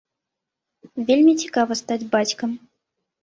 Вельмі цікава стаць бацькам.